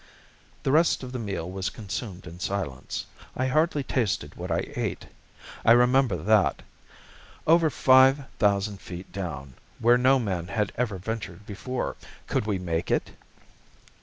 The rest of the meal was consumed in silence. I hardly tasted what I ate; I remember that. Over five thousand feet down where no man had ever ventured before! Could we make it?